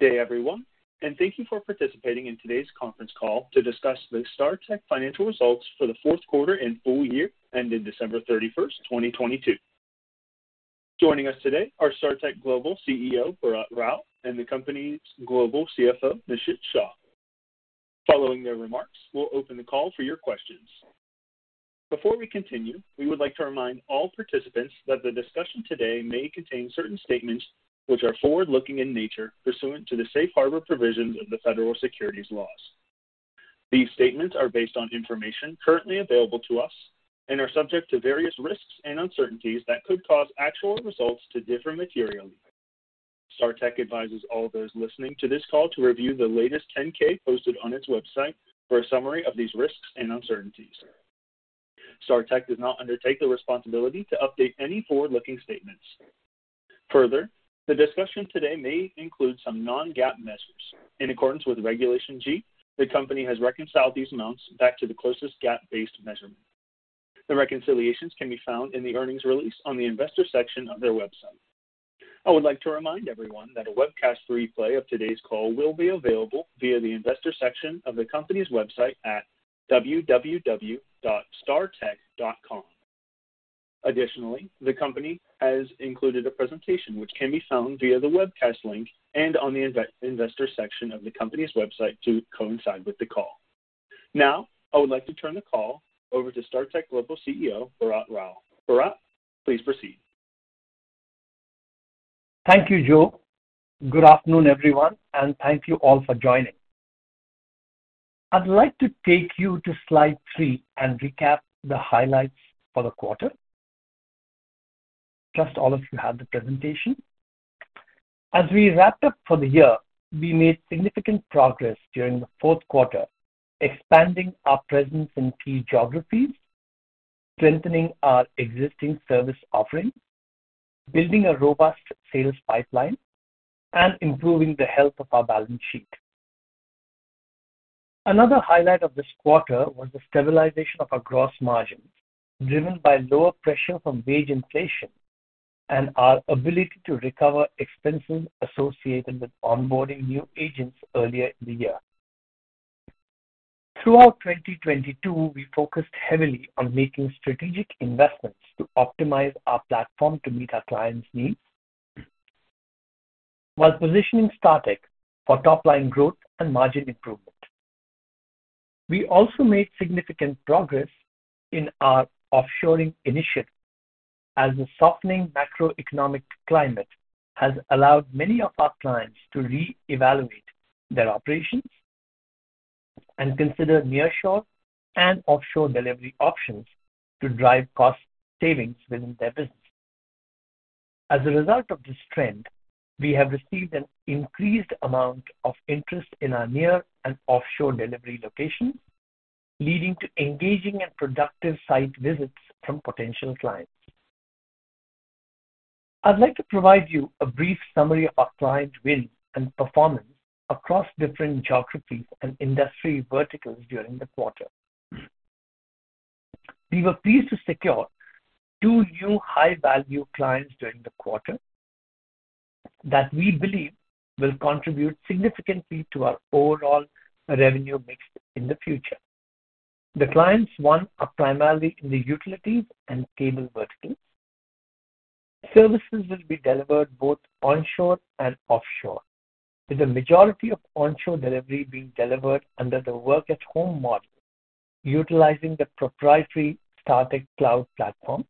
Good day everyone, thank you for participating in today's conference call to discuss the Startek Financial Results for the Fourth Quarter and Full Year ended December 31, 2022. Joining us today are Startek Global CEO, Bharat Rao, the company's Global CFO, Nishit Shah. Following their remarks, we'll open the call for your questions. Before we continue, we would like to remind all participants that the discussion today may contain certain statements which are forward-looking in nature pursuant to the safe harbor provisions of the Federal Securities Laws. These statements are based on information currently available to us and are subject to various risks and uncertainties that could cause actual results to differ materially. Startek advises all those listening to this call to review the latest 10-K posted on its website for a summary of these risks and uncertainties. Startek does not undertake the responsibility to update any forward-looking statements. Further, the discussion today may include some non-GAAP measures. In accordance with Regulation G, the company has reconciled these amounts back to the closest GAAP-based measurement. The reconciliations can be found in the earnings release on the investor section of their website. I would like to remind everyone that a webcast replay of today's call will be available via the investor section of the company's website at www.startek.com. Additionally, the company has included a presentation which can be found via the webcast link and on the investor section of the company's website to coincide with the call. I would like to turn the call over to Startek Global CEO, Bharat Rao. Bharat, please proceed. Thank you, Joe. Good afternoon, everyone, and thank you all for joining. I'd like to take you to slide three and recap the highlights for the quarter. Trust all of you have the presentation. As we wrapped up for the year, we made significant progress during the fourth quarter, expanding our presence in key geographies, strengthening our existing service offerings, building a robust sales pipeline, and improving the health of our balance sheet. Another highlight of this quarter was the stabilization of our gross margin, driven by lower pressure from wage inflation and our ability to recover expenses associated with onboarding new agents earlier in the year. Throughout 2022, we focused heavily on making strategic investments to optimize our platform to meet our clients' needs while positioning Startek for top-line growth and margin improvement. We also made significant progress in our offshoring initiative, as the softening macroeconomic climate has allowed many of our clients to reevaluate their operations and consider nearshore and offshore delivery options to drive cost savings within their business. As a result of this trend, we have received an increased amount of interest in our near and offshore delivery locations, leading to engaging and productive site visits from potential clients. I'd like to provide you a brief summary of our client wins and performance across different geographies and industry verticals during the quarter. We were pleased to secure two new high-value clients during the quarter that we believe will contribute significantly to our overall revenue mix in the future. The clients won are primarily in the utilities and cable verticals. Services will be delivered both onshore and offshore, with the majority of onshore delivery being delivered under the work-at-home model, utilizing the proprietary Startek Cloud platform,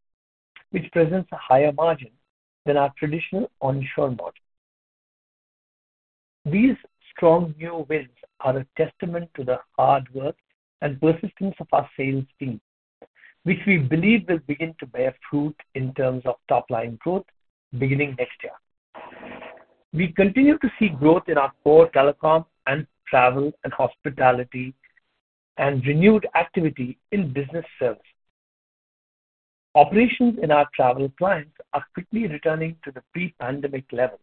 which presents a higher margin than our traditional onshore model. These strong new wins are a testament to the hard work and persistence of our sales team, which we believe will begin to bear fruit in terms of top-line growth beginning next year. We continue to see growth in our core telecom and travel and hospitality and renewed activity in business services. Operations in our travel clients are quickly returning to the pre-pandemic levels,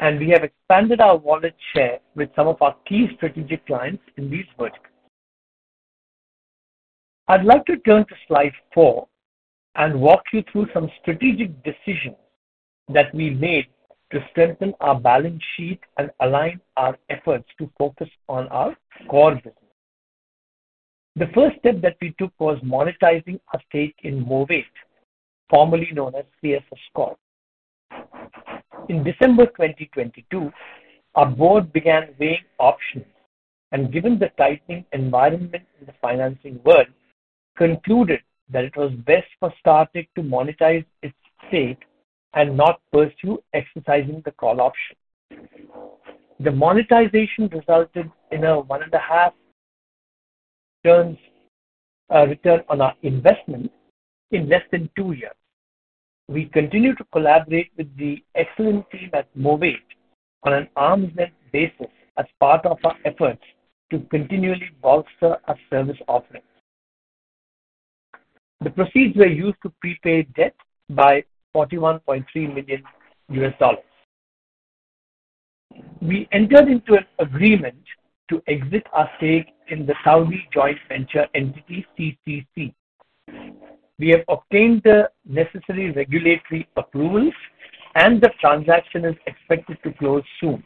and we have expanded our wallet share with some of our key strategic clients in these verticals. I'd like to turn to slide four and walk you through some strategic decisions that we made to strengthen our balance sheet and align our efforts to focus on our core business. The first step that we took was monetizing our stake in Movate, formerly known as CSS Corp. In December 2022, our board began weighing options and, given the tightening environment in the financing world, concluded that it was best for Startek to monetize its stake and not pursue exercising the call option. The monetization resulted in a one and a half turns return on our investment in less than two years. We continue to collaborate with the excellent team at Movate on an arms'-length basis as part of our efforts to continually bolster our service offerings. The proceeds were used to prepay debt by $41.3 million. We entered into an agreement to exit our stake in the Saudi joint venture entity, CCC. We have obtained the necessary regulatory approvals and the transaction is expected to close soon.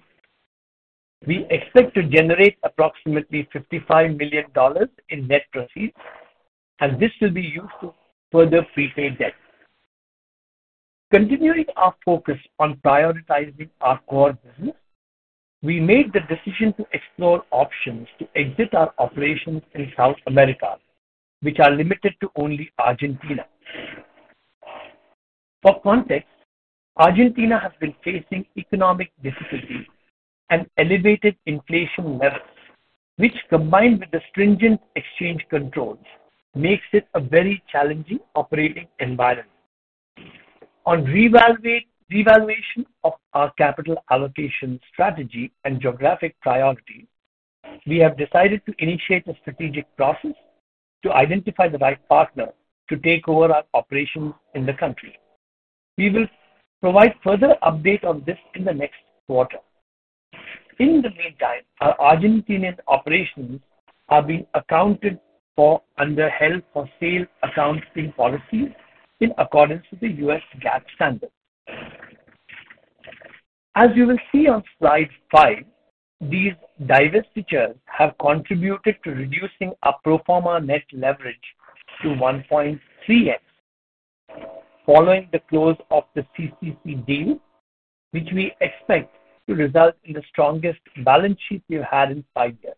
We expect to generate approximately $55 million in net proceeds. This will be used to further prepay debt. Continuing our focus on prioritizing our core business, we made the decision to explore options to exit our operations in South America, which are limited to only Argentina. For context, Argentina has been facing economic difficulties and elevated inflation levels, which combined with the stringent exchange controls, makes it a very challenging operating environment. On revaluation of our capital allocation strategy and geographic priority, we have decided to initiate a strategic process to identify the right partner to take over our operations in the country. We will provide further update on this in the next quarter. In the meantime, our Argentinian operations are being accounted for under held for sale accounting policies in accordance with the U.S. GAAP standards. As you will see on slide five, these divestitures have contributed to reducing our pro forma net leverage to 1.3x following the close of the CCC deal, which we expect to result in the strongest balance sheet we've had in 5 years.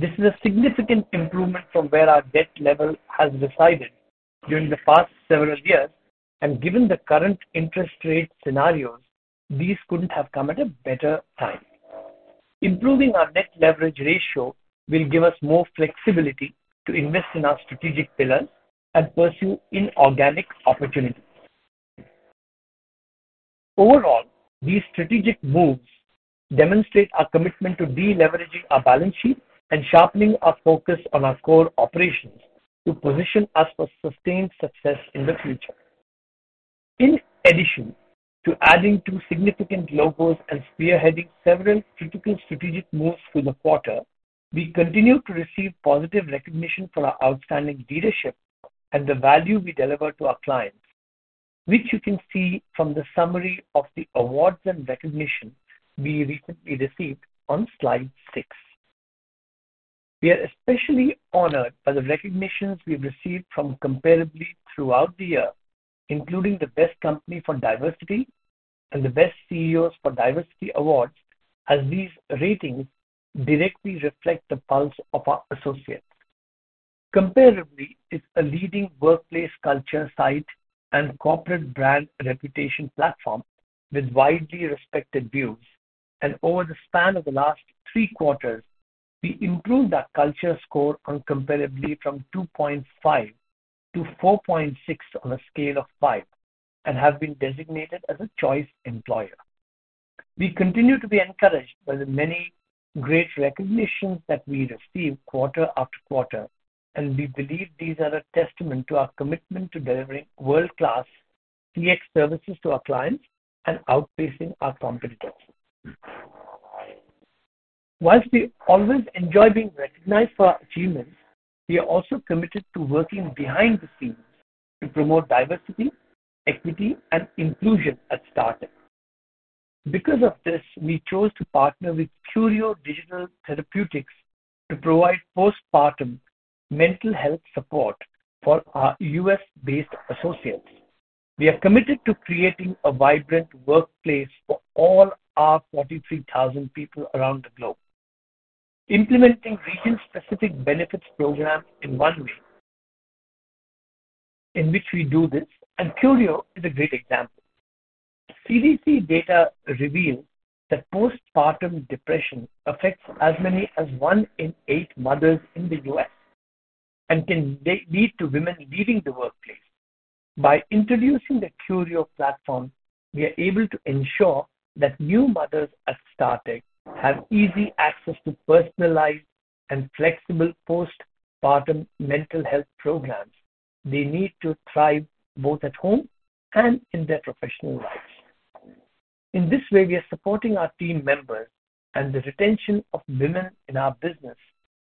Given the current interest rate scenarios, these couldn't have come at a better time. Improving our net leverage ratio will give us more flexibility to invest in our strategic pillars and pursue inorganic opportunities. Overall, these strategic moves demonstrate our commitment to deleveraging our balance sheet and sharpening our focus on our core operations to position us for sustained success in the future. In addition to adding two significant logos and spearheading several critical strategic moves through the quarter, we continue to receive positive recognition for our outstanding leadership and the value we deliver to our clients, which you can see from the summary of the awards and recognition we recently received on slide six. We are especially honored by the recognitions we've received from Comparably throughout the year, including the Best Company for Diversity and the Best CEOs for Diversity awards, as these ratings directly reflect the pulse of our associates. Comparably is a leading workplace culture site and corporate brand reputation platform with widely respected views. Over the span of the last three quarters, we improved our culture score on Comparably from 2.5 to 4.6 on a scale of 5 and have been designated as a choice employer. We continue to be encouraged by the many great recognitions that we receive quarter after quarter, we believe these are a testament to our commitment to delivering world-class CX services to our clients and outpacing our competitors. Whilst we always enjoy being recognized for our achievements, we are also committed to working behind the scenes to promote diversity, equity, and inclusion at Startek. Because of this, we chose to partner with Curio Digital Therapeutics to provide postpartum mental health support for our U.S.-based associates. We are committed to creating a vibrant workplace for all our 43,000 people around the globe. Implementing region-specific benefits programs is one way in which we do this, Curio is a great example. CDC data reveal that postpartum depression affects as many as 1 in 8 mothers in the U.S. and can lead to women leaving the workplace. By introducing the Curio platform, we are able to ensure that new mothers at Startek have easy access to personalized and flexible postpartum mental health programs they need to thrive both at home and in their professional lives. In this way, we are supporting our team members and the retention of women in our business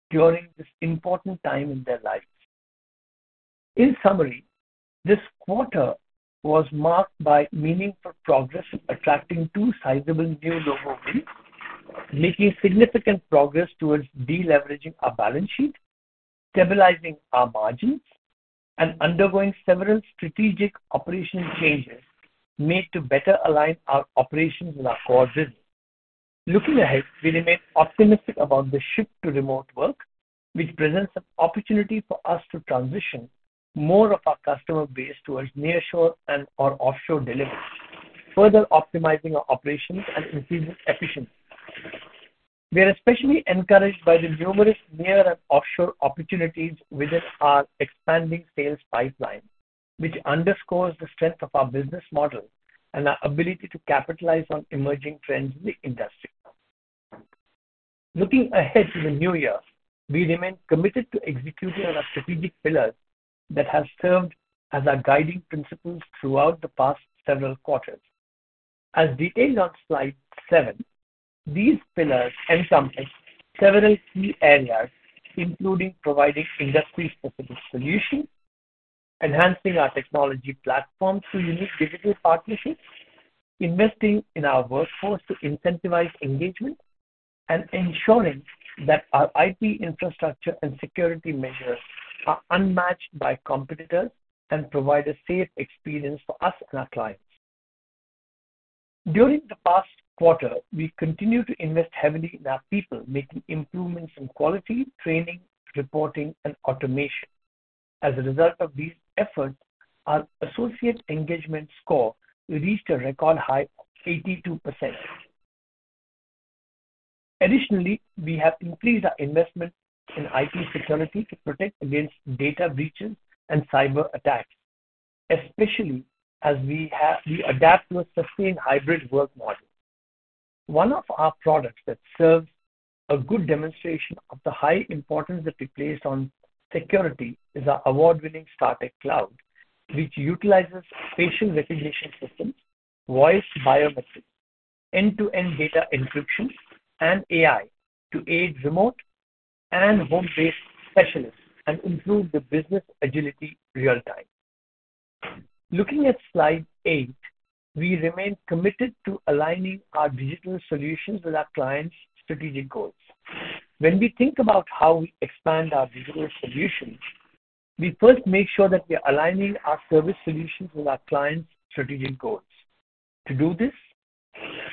during this important time in their lives. In summary, this quarter was marked by meaningful progress, attracting two sizable new logo wins, making significant progress towards de-leveraging our balance sheet, stabilizing our margins, and undergoing several strategic operational changes made to better align our operations with our core business. Looking ahead, we remain optimistic about the shift to remote work, which presents an opportunity for us to transition more of our customer base towards nearshore and/or offshore delivery, further optimizing our operations and increasing efficiency. We are especially encouraged by the numerous near and offshore opportunities within our expanding sales pipeline, which underscores the strength of our business model and our ability to capitalize on emerging trends in the industry. Looking ahead to the new year, we remain committed to executing on our strategic pillars that have served as our guiding principles throughout the past several quarters. As detailed on slide seven, these pillars encompass several key areas, including providing industry-specific solutions, enhancing our technology platform through unique digital partnerships, investing in our workforce to incentivize engagement, and ensuring that our IT infrastructure and security measures are unmatched by competitors and provide a safe experience for us and our clients. During the past quarter, we continued to invest heavily in our people, making improvements in quality, training, reporting, and automation. As a result of these efforts, our associate engagement score reached a record high of 82%. Additionally, we have increased our investment in IT security to protect against data breaches and cyberattacks, especially as we adapt to a sustained hybrid work model. One of our products that serves a good demonstration of the high importance that we place on security is our award-winning Startek Cloud, which utilizes facial recognition systems, voice biometrics, end-to-end data encryption, and AI to aid remote and home-based specialists and improve the business agility real-time. Looking at slide eight, we remain committed to aligning our digital solutions with our clients' strategic goals. When we think about how we expand our digital solutions, we first make sure that we are aligning our service solutions with our clients' strategic goals. To do this,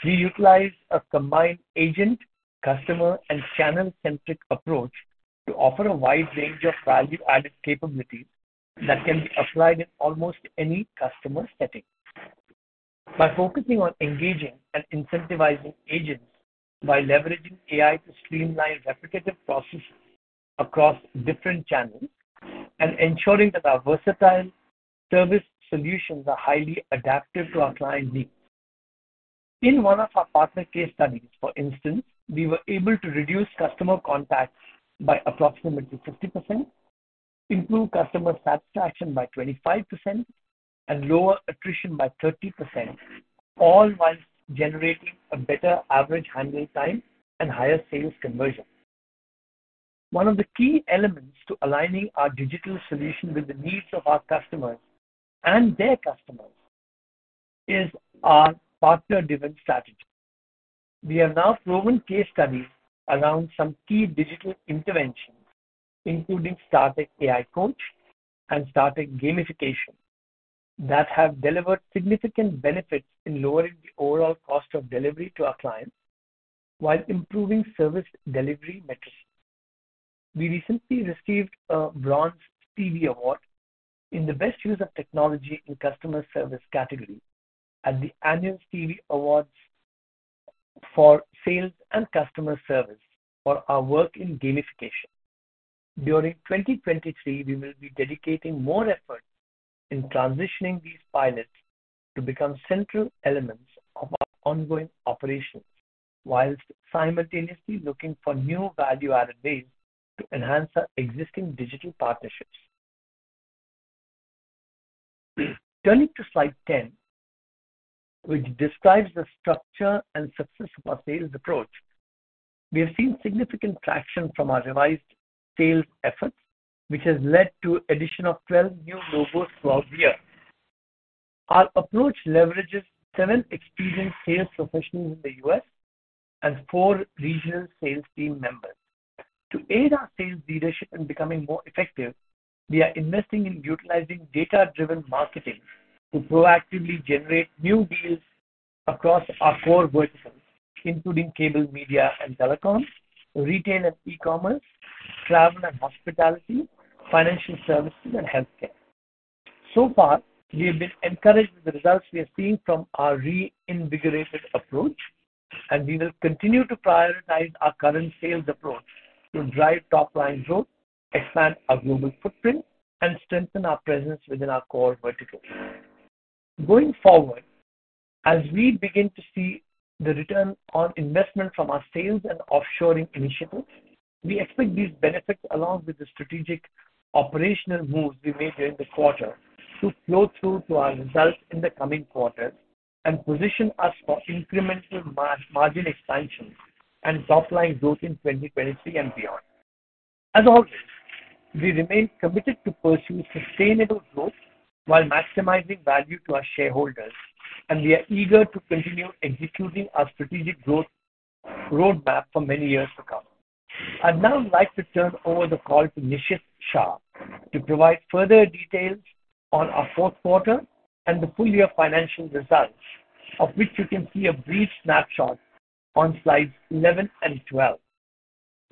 we utilize a combined agent, customer, and channel-centric approach to offer a wide range of value-added capabilities that can be applied in almost any customer setting. By focusing on engaging and incentivizing agents while leveraging AI to streamline repetitive processes across different channels and ensuring that our versatile service solutions are highly adaptive to our client needs. In one of our partner case studies, for instance, we were able to reduce customer contacts by approximately 50%, improve customer satisfaction by 25%, and lower attrition by 30%, all while generating a better average handling time and higher sales conversion. One of the key elements to aligning our digital solution with the needs of our customers and their customers is our partner-driven strategy. We have now proven case studies around some key digital interventions, including Startek AI Coach and Startek Gamification, that have delivered significant benefits in lowering the overall cost of delivery to our clients while improving service delivery metrics. We recently received a Bronze Stevie Award in the Best Use of Technology in Customer Service category at the annual Stevie Awards for sales and customer service for our work in gamification. During 2023, we will be dedicating more effort in transitioning these pilots to become central elements of our ongoing operations whilst simultaneously looking for new value-added ways to enhance our existing digital partnerships. Turning to slide 10, which describes the structure and success of our sales approach. We have seen significant traction from our revised sales efforts, which has led to addition of 12 new logos throughout the year. Our approach leverages seven experienced sales professionals in the U.S. and four regional sales team members. To aid our sales leadership in becoming more effective, we are investing in utilizing data-driven marketing to proactively generate new deals across our core verticals, including cable, media, and telecom, retail and e-commerce, travel and hospitality, financial services, and healthcare. So far, we have been encouraged with the results we are seeing from our reinvigorated approach, and we will continue to prioritize our current sales approach to drive top-line growth, expand our global footprint, and strengthen our presence within our core verticals. Going forward, as we begin to see the return on investment from our sales and offshoring initiatives, we expect these benefits, along with the strategic operational moves we made during the quarter, to flow through to our results in the coming quarters and position us for incremental margin expansion and top-line growth in 2023 and beyond. Always, we remain committed to pursue sustainable growth while maximizing value to our shareholders. We are eager to continue executing our strategic growth roadmap for many years to come. I'd now like to turn over the call to Nishit Shah to provide further details on our fourth quarter and the full year financial results, of which you can see a brief snapshot on slides 11 and 12.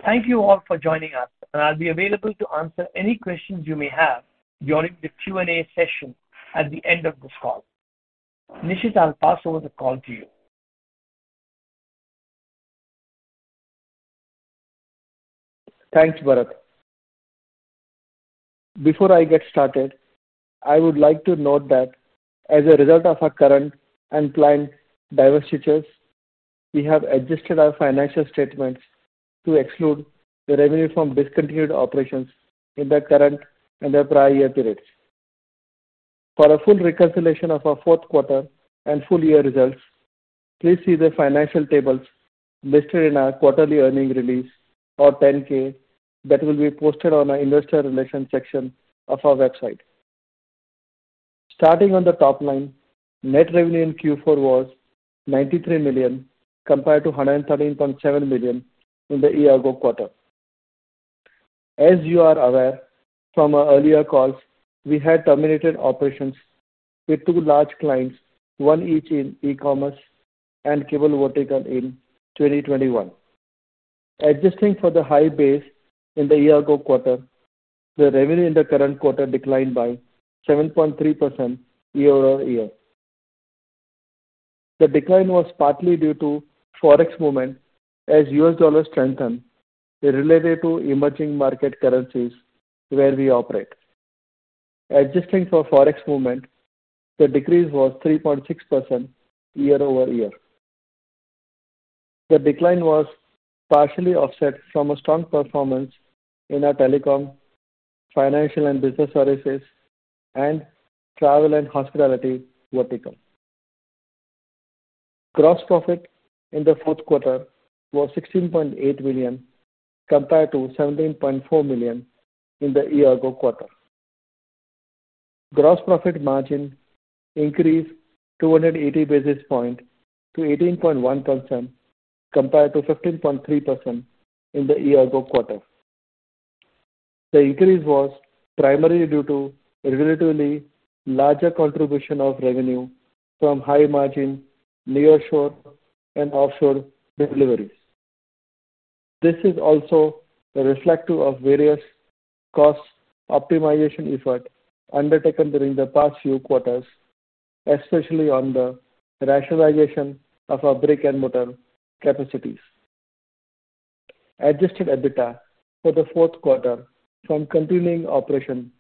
Thank you all for joining us, and I'll be available to answer any questions you may have during the Q&A session at the end of this call. Nishit, I'll pass over the call to you. Thanks, Bharat. Before I get started, I would like to note that as a result of our current and planned divestitures. We have adjusted our financial statements to exclude the revenue from discontinued operations in the current and the prior year periods. For a full reconciliation of our fourth quarter and full year results, please see the financial tables listed in our quarterly earnings release or Form 10-K that will be posted on our investor relations section of our website. Starting on the top line, net revenue in Q4 was $93 million compared to $113.7 million in the year ago quarter. As you are aware from our earlier calls, we had terminated operations with two large clients, 1 each in e-commerce and cable vertical in 2021. Adjusting for the high base in the year ago quarter, the revenue in the current quarter declined by 7.3% year-over-year. The decline was partly due to Forex movement as U.S. dollar strengthened related to emerging market currencies where we operate. Adjusting for Forex movement, the decrease was 3.6% year-over-year. The decline was partially offset from a strong performance in our telecom, financial and business services and travel and hospitality vertical. Gross profit in the fourth quarter was $16.8 million compared to $17.4 million in the year ago quarter. Gross profit margin increased 280 basis point to 18.1% compared to 15.3% in the year ago quarter. The increase was primarily due to relatively larger contribution of revenue from high margin nearshore and offshore deliveries. This is also reflective of various cost optimization effort undertaken during the past few quarters, especially on the rationalization of our brick-and-mortar capacities. Adjusted EBITDA for the fourth quarter from continuing operation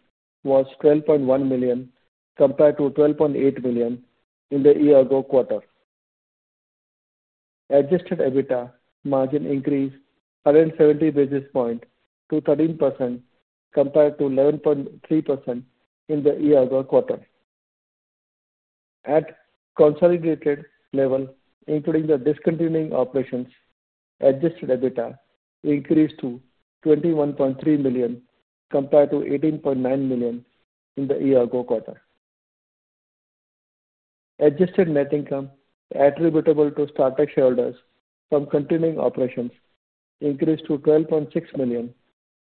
was $12.1 million compared to $12.8 million in the year ago quarter. Adjusted EBITDA margin increased 170 basis point to 13% compared to 11.3% in the year ago quarter. At consolidated level, including the discontinuing operations, Adjusted EBITDA increased to $21.3 million compared to $18.9 million in the year ago quarter. Adjusted net income attributable to Startek shareholders from continuing operations increased to $12.6 million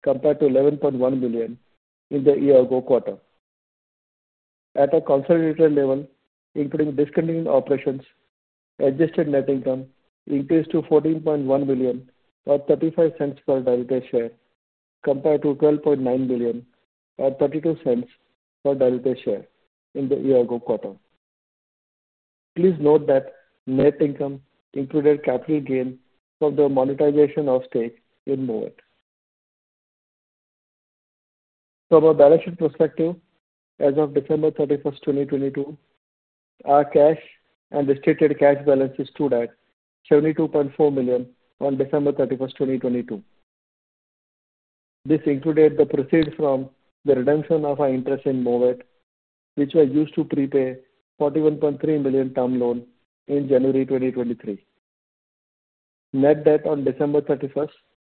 compared to $11.1 million in the year ago quarter. At a consolidated level, including discontinuing operations, adjusted net income increased to $14.1 million or $0.35 per diluted share, compared to $12.9 million or $0.32 per diluted share in the year ago quarter. Please note that net income included capital gain from the monetization of stake in Movate. From a balance sheet perspective, as of December 31, 2022, our cash and restricted cash balances stood at $72.4 million on December 31, 2022. This included the proceeds from the redemption of our interest in Movate, which was used to prepay $41.3 million term loan in January 2023. Net debt on December 31,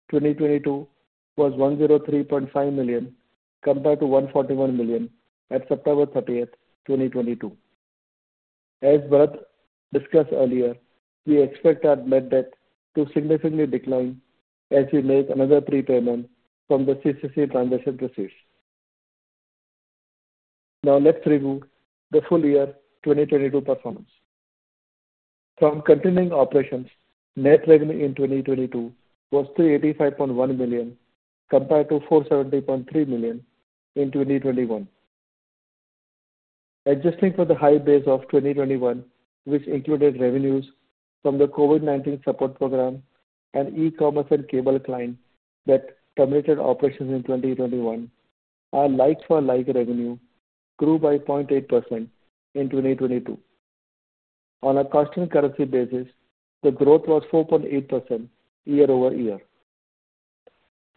2022 was $103.5 million compared to $141 million at September 30, 2022. As Bharat discussed earlier, we expect our net debt to significantly decline as we make another prepayment from the CCC transaction proceeds. Let's review the full year 2022 performance. From continuing operations, net revenue in 2022 was $385.1 million compared to $470.3 million in 2021. Adjusting for the high base of 2021, which included revenues from the COVID-19 support program and e-commerce and cable client that terminated operations in 2021, our like-for-like revenue grew by 0.8% in 2022. On a constant currency basis, the growth was 4.8% year-over-year.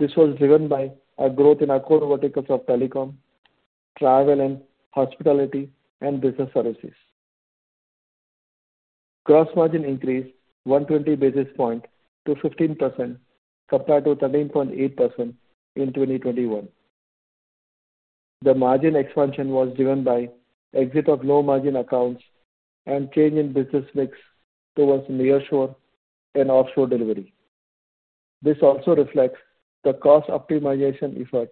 This was driven by a growth in our core verticals of telecom, travel and hospitality and business services. Gross margin increased 120 basis points to 15% compared to 13.8% in 2021. The margin expansion was driven by exit of low margin accounts and change in business mix towards nearshore and offshore delivery. This also reflects the cost optimization effort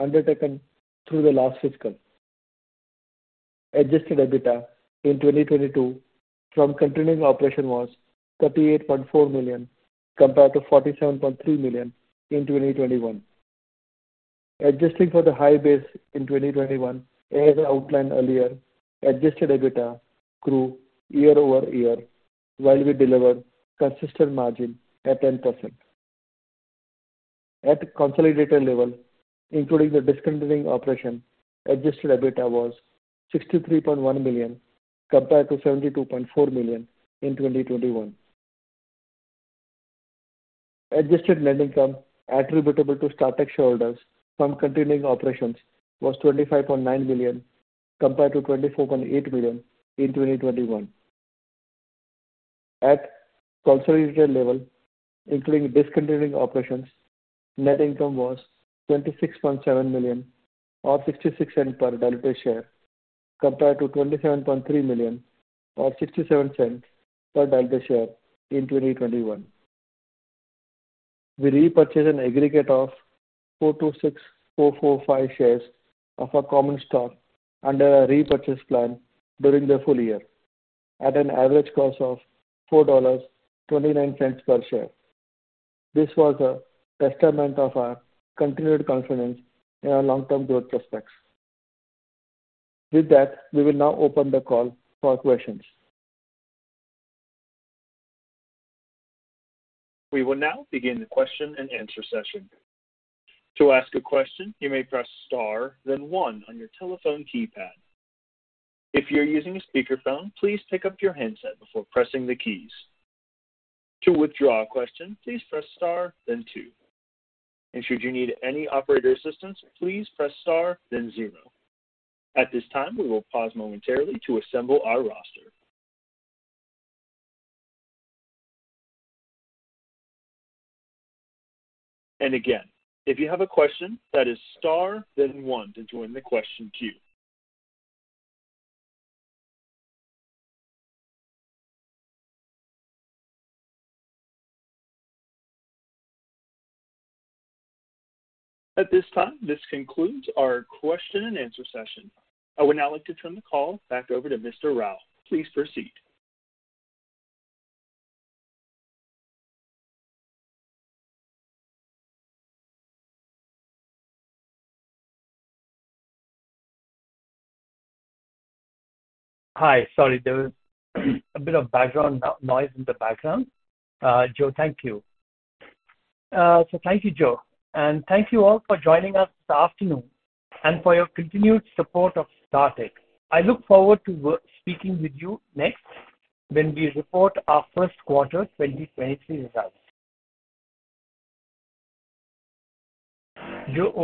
undertaken through the last fiscal. Adjusted EBITDA in 2022 from continuing operation was $38.4 million compared to $47.3 million in 2021. Adjusting for the high base in 2021, as outlined earlier, Adjusted EBITDA grew year-over-year while we delivered consistent margin at 10%. At the consolidated level, including the discontinuing operation, Adjusted EBITDA was $63.1 million compared to $72.4 million in 2021. Adjusted net income attributable to Startek shareholders from continuing operations was $25.9 million compared to $24.8 million in 2021. At consolidated level, including discontinuing operations, net income was $26.7 million or $0.66 per diluted share compared to $27.3 million or $0.67 per diluted share in 2021. We repurchased an aggregate of 464,445 shares of our common stock under our repurchase plan during the full year at an average cost of $4.29 per share. This was a testament of our continued confidence in our long-term growth prospects. With that, we will now open the call for questions. We will now begin the question and answer session. To ask a question, you may press star then one on your telephone keypad. If you're using a speakerphone, please pick up your handset before pressing the keys. To withdraw a question, please press star then two. Should you need any operator assistance, please press star then zero. At this time, we will pause momentarily to assemble our roster. Again, if you have a question, that is star then one to join the question queue. At this time, this concludes our question-and-answer session. I would now like to turn the call back over to Mr. Rao. Please proceed. Hi. Sorry, there was a bit of background noise in the background. Joe, thank you. Thank you, Joe. Thank you all for joining us this afternoon and for your continued support of Startek. I look forward to speaking with you next when we report our first quarter 2023 results.